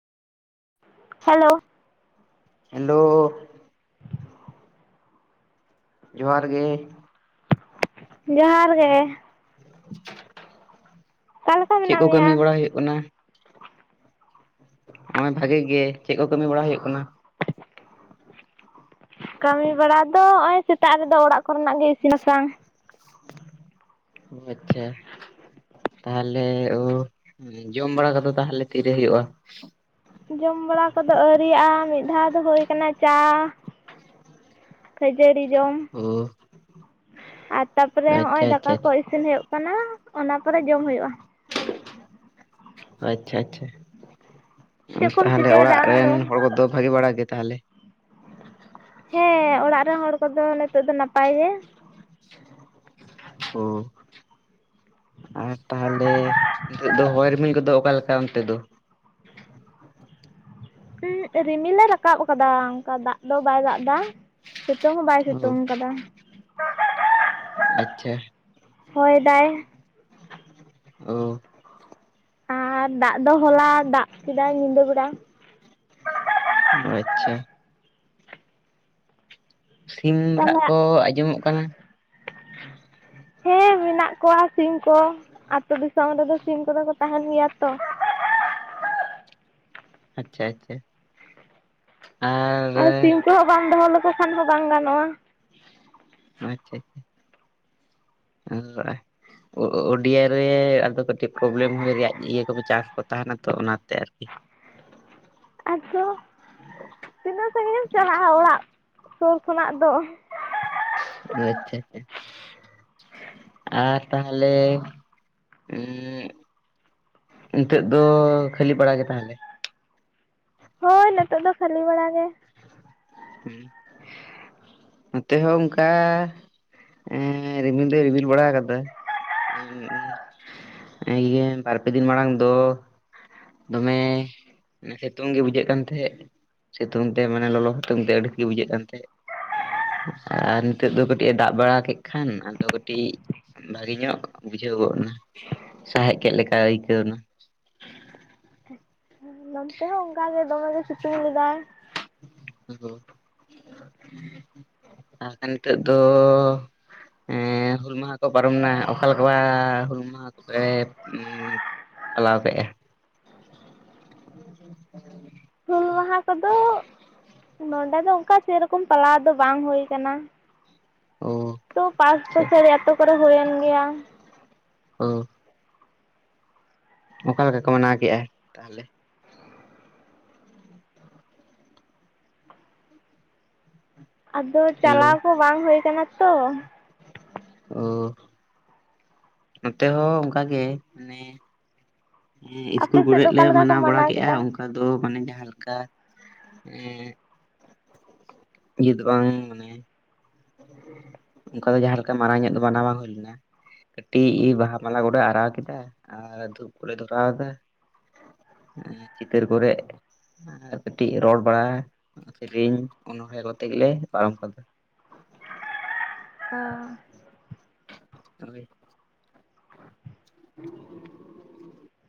Hello hello ᱡᱚᱦᱟᱨ ᱜᱮ ᱡᱚᱦᱟᱨ ᱜᱮ ᱚᱠᱟ ᱞᱮᱠᱟ ᱪᱮᱫ ᱢᱮᱱᱟᱜ ᱠᱚ ᱢᱮᱭᱟ? ᱠᱟᱹᱢᱤ ᱵᱟᱲᱟᱭ ᱦᱩᱭᱩᱜ ᱠᱟᱱᱟ? ᱱᱚᱜ ᱚᱭ ᱵᱷᱟᱜᱤ ᱜᱮ ᱪᱮᱫ ᱠᱚ ᱠᱟᱹᱢᱤ ᱵᱟᱲᱟ ᱦᱩᱭᱩᱜ ᱠᱟᱱᱟ? ᱠᱟᱹᱢᱤ ᱵᱟᱲᱟ ᱫᱚ ᱱᱚᱜᱼᱚᱭ ᱥᱮᱛᱟᱜ ᱨᱮᱫᱚ ᱚᱲᱟᱜ ᱠᱚᱨᱮᱱᱟᱜ ᱜᱮ ᱤᱥᱤᱱ- ᱵᱟᱥᱟᱝ। ᱚ ᱟᱪᱪᱷᱟ ᱛᱟᱦᱚᱞᱮ ᱚ ᱡᱚᱢ ᱵᱟᱲᱟ ᱠᱚ ᱫᱚ ᱛᱟᱦᱟᱞᱮ ᱛᱤᱨᱮ ᱦᱩᱭᱩᱜᱼᱟ? ᱡᱚᱢ ᱵᱟᱲᱟ ᱠᱚᱫᱚ ᱟᱹᱨᱤᱭᱟᱜᱼᱟ ᱢᱤᱫ ᱫᱷᱟᱣ ᱫᱚ ᱦᱩᱭ ᱟᱠᱟᱱᱟ ᱪᱟᱻ। ᱠᱷᱟᱹᱡᱟᱹᱲᱤ ᱡᱚᱢ ᱳ ᱟᱨ ᱛᱟᱯᱚᱨᱮ ᱟᱪᱪᱷᱟ ᱦᱚᱸᱜᱼᱚᱭ ᱫᱟᱠᱟ ᱟᱪᱪᱷᱟ ᱠᱚ ᱤᱥᱤᱱ। ᱤᱥᱤᱱ ᱦᱩᱭᱩᱜ ᱠᱟᱱᱟ ᱚᱱᱟ ᱯᱚᱨᱮ ᱡᱚᱢ ᱦᱩᱭᱩᱜᱼᱟ। ᱟᱪᱪᱷᱟ ᱟᱪᱪᱷᱟ ᱚ ᱪᱮᱫ ᱠᱚᱢ ᱛᱟᱦᱟᱞᱮ ᱪᱤᱠᱟᱹᱭᱮᱫᱟ ᱚᱲᱟᱜ ᱟᱢ ᱨᱮᱱ ᱫᱚ? ᱦᱚᱲ ᱠᱚᱫᱚ ᱵᱷᱟᱜᱤ ᱵᱟᱲᱟ ᱜᱮ ᱛᱟᱦᱟᱞᱮ? ᱦᱮᱸ ᱚᱲᱟᱜ ᱨᱮᱱ ᱦᱚᱲ ᱠᱚᱫᱚ ᱱᱤᱛᱚᱜ ᱫᱚ ᱱᱟᱯᱟᱭ ᱜᱮ ᱦᱚᱻ ᱟᱨ ᱛᱟᱦᱚᱞᱮ ᱱᱤᱛᱚᱜ ᱫᱚ ᱦᱚᱭ ᱨᱤᱢᱤᱞ ᱠᱚᱫᱚ ᱚᱠᱟᱞᱮᱠᱟ ᱚᱱᱛᱮ ᱫᱚ ᱨᱤᱢᱤᱞ ᱮ ᱨᱟᱠᱟᱵ ᱟᱠᱟᱫᱟ ᱚᱱᱠᱟ ᱫᱟᱜ ᱫᱚ ᱵᱟᱭ ᱫᱟᱜ ᱮᱫᱟ ᱥᱤᱛᱩᱝ ᱦᱚᱸ ᱵᱟᱭ ᱳ ᱥᱤᱛᱩᱝ ᱠᱟᱫᱟ। ᱦᱳᱭ ᱫᱟᱭ ᱚ ᱟᱨ ᱫᱟᱜ ᱫᱚ ᱦᱚᱞᱟ ᱫᱟᱜ ᱠᱮᱫᱟᱭ ᱧᱤᱫᱟᱹ ᱵᱮᱲᱟ। ᱟᱪᱪᱷᱟ ᱥᱤᱢ ᱨᱟᱜ ᱛᱟᱦᱚᱞᱮ ᱠᱚ ᱟᱸᱡᱚᱢᱚᱜ ᱠᱟᱱᱟ। ᱦᱮᱸ ᱢᱮᱱᱟᱜ ᱠᱚᱣᱟ ᱥᱤᱢ ᱠᱚ ᱟᱛᱳ ᱫᱤᱥᱚᱢ ᱨᱮᱫᱚ ᱥᱤᱢ ᱠᱚᱫᱚ ᱠᱚ ᱛᱟᱦᱮᱱ ᱜᱮᱭᱟ ᱛᱚ। ᱟᱪᱪᱷᱟ ᱟᱪᱪᱷᱟ ᱟᱨ ᱼᱼ ᱟᱨ ᱥᱤᱢ ᱠᱚᱦᱚᱸ ᱵᱟᱢ ᱫᱚᱦᱚ ᱞᱮᱠᱚ ᱠᱷᱟᱱ ᱦᱚᱸ ᱵᱟᱝ ᱜᱟᱱᱚᱜᱼᱟ। ᱟᱪᱪᱷᱟ ᱟᱪᱪᱷᱟ [inaudible] [inaudible] ᱚ ᱚᱳᱰᱤᱭᱟ ᱨᱮ ᱟᱫᱚ ᱠᱟᱹᱴᱤᱡ ᱯᱨᱚᱵᱞᱮᱢ ᱦᱩᱭ ᱨᱮᱭᱟᱜ ᱤᱭᱟᱹ ᱠᱚ ᱪᱟᱱᱥ ᱠᱚ ᱛᱟᱦᱮᱱᱟ ᱛᱚ ᱚᱱᱟᱛᱮ ᱟᱨᱠᱤ। ᱟᱫᱚ ᱛᱤᱱᱟᱹᱜ ᱥᱟᱺᱜᱤᱧ ᱮᱢ ᱟᱪᱪᱷᱟ ᱪᱟᱞᱟᱜᱼᱟ? ᱚᱲᱟᱜ ᱥᱩᱨ ᱠᱷᱚᱱᱟᱜ ᱫᱚ᱾ ᱚ ᱟᱪᱪᱷᱟ ᱟᱪᱪᱷᱟ ᱟᱨ ᱛᱟᱦᱚᱞᱮ ᱩᱸᱻ ᱱᱤᱛᱚᱜ ᱫᱚ ᱠᱷᱟᱹᱞᱤ ᱵᱟᱲᱟ ᱜᱮ ᱛᱟᱦᱟᱞᱮ? ᱦᱳᱭ ᱱᱤᱛᱚᱜ ᱫᱚ ᱠᱷᱟᱹᱞᱤ ᱵᱟᱲᱟ ᱜᱮ। [inaudible] ᱱᱚᱛᱮ ᱦᱚᱸ ᱚᱱᱠᱟ ᱼᱼ ᱦᱮᱸᱻ ᱨᱤᱢᱤᱞ ᱫᱚᱭ ᱨᱤᱢᱤᱞ ᱵᱟᱲᱟ ᱟᱠᱟᱫᱟ। ᱤᱭᱟᱹ ᱵᱟᱨᱯᱮ ᱫᱤᱱ ᱢᱟᱲᱟᱝ ᱫᱚ ᱼᱼ ᱫᱚᱢᱮ ᱥᱤᱛᱩᱝ ᱜᱮ ᱵᱩᱡᱷᱟᱹᱜ ᱠᱟᱱ ᱛᱟᱦᱮᱸᱫ। ᱥᱤᱛᱩᱝ ᱛᱮ ᱢᱟᱱᱮ ᱞᱚᱞᱚ ᱥᱤᱛᱩᱝ ᱛᱮ ᱟᱹᱲᱤᱥᱜᱮ ᱵᱩᱡᱷᱟᱹᱜ ᱠᱟᱱ ᱛᱟᱦᱮᱸᱜ। ᱟᱨ ᱱᱤᱛᱳᱜ ᱫᱚ ᱠᱟᱹᱴᱤᱡᱼ ᱮ ᱫᱟᱜ ᱵᱟᱲᱟ ᱠᱮᱫ ᱠᱷᱟᱱ ᱟᱫᱚ ᱠᱟᱹᱴᱤᱡ ᱼᱼ ᱵᱷᱟᱹᱜᱮ ᱧᱚᱜ ᱵᱩᱡᱷᱟᱹᱣ ᱜᱚᱫ ᱱᱟ ᱥᱟᱦᱮᱫ ᱠᱮᱫ ᱞᱮᱠᱟ ᱟᱹᱭᱠᱟᱹᱣ ᱮᱱᱟ। ᱦᱮᱸ ᱱᱚᱱᱛᱮ ᱦᱚᱸ ᱚᱱᱠᱟ ᱜᱮ ᱫᱚᱢᱮ ᱜᱮ ᱥᱤᱛᱩᱝ ᱞᱮᱫᱟᱭ। [inaudible] ᱢᱮᱱᱠᱷᱟᱱ [inaudible] ᱱᱤᱛᱳ ᱫᱚ ᱼᱼ ᱮᱸᱻ ᱦᱩᱞ ᱢᱟᱦᱟ ᱠᱚ ᱯᱟᱨᱚᱢᱱᱟ ᱚᱠᱟᱞᱮᱠᱟ ᱦᱩᱞ ᱢᱟᱦᱟ ᱠᱚᱯᱮ ᱚᱢᱻᱻ ᱯᱟᱞᱟᱣ ᱠᱮᱜᱼᱟ [inaudible] ᱦᱩᱞ ᱢᱟᱦᱟ ᱠᱚᱫᱚ ᱼᱼ ᱱᱚᱰᱮ ᱫᱚ ᱚᱱᱠᱟ ᱥᱮᱨᱚᱠᱚᱢ ᱯᱟᱞᱟᱣ ᱫᱚ ᱵᱟᱝ ᱦᱩᱭ ᱠᱟᱱᱟ। ᱚ ᱛᱚ ᱯᱟᱸᱥ ᱟᱪᱪᱷᱟ ᱵᱚᱪᱷᱚᱨᱤ [unintelligible] ᱟᱛᱳ ᱠᱚᱨᱮ ᱦᱩᱭᱮᱱ ᱜᱮᱭᱟ। ᱚᱻ ᱚᱠᱟ ᱞᱮᱠᱟ ᱠᱚ ᱢᱟᱱᱟᱣ ᱠᱮᱫᱼᱟ ᱛᱟᱦᱚᱞᱮ? ᱟᱫᱚ ᱦᱮᱞᱳ ᱪᱟᱞᱟᱣ ᱠᱚ ᱵᱟᱝ ᱦᱩᱭ ᱠᱟᱱᱟ ᱛᱚ। ᱚ ᱱᱚᱛᱮ ᱦᱚᱸ ᱚᱱᱠᱟᱜᱮ ᱢᱟᱱᱮ ᱮᱸ ᱟᱯᱮ ᱤᱥᱠᱩᱞ ᱥᱮᱫ ᱫᱚ ᱠᱚᱨᱮᱫ ᱞᱮ ᱚᱠᱟ ᱞᱮᱠᱟ ᱠᱚ ᱢᱟᱱᱟᱣ ᱵᱟᱲᱟ ᱠᱮᱜᱼᱟ᱾ ᱠᱮᱫᱟ ᱟᱫᱚ ᱢᱟᱱᱮ ᱡᱟᱦᱟᱸ ᱞᱮᱠᱟ ᱮᱸᱜ ᱠᱩᱞᱤ ᱫᱚ ᱵᱟᱝ ᱢᱟᱱᱮ ᱚᱱᱠᱟ ᱫᱚ ᱡᱟᱦᱟᱸ ᱞᱮᱠᱟ ᱢᱟᱨᱟᱝ ᱧᱚᱜ ᱫᱚ ᱵᱟᱱᱟ ᱵᱟᱝ ᱦᱩᱭ ᱞᱮᱱᱟ᱾ ᱠᱟᱹᱴᱤᱡ ᱵᱟᱦᱟ ᱢᱟᱞᱟ ᱠᱚᱞᱮ ᱟᱨᱟᱣ ᱠᱮᱫᱟ ᱟᱨ ᱫᱷᱩᱯ ᱠᱚᱞᱮ ᱫᱷᱚᱨᱟᱣ ᱟᱫᱟ᱾ ᱦᱮᱸ ᱪᱤᱛᱟᱹᱨ ᱠᱚᱨᱮᱜ, ᱟᱨ ᱠᱟᱹᱴᱤᱡ ᱨᱚᱲ ᱵᱟᱲᱟ ᱥᱮᱨᱮᱧ ᱚᱱᱚᱬᱦᱮ ᱠᱚᱛᱮ ᱜᱮᱞᱮ ᱯᱟᱨᱚᱢ ᱠᱟᱫᱟ᱾ ᱟ [unintelligible]